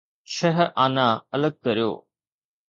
ڇهه آنا الڳ ڪريو.